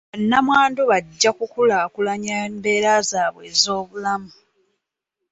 Bannamwandu bajja ku kulaakulanya embeera zaabwe ez'obulamu.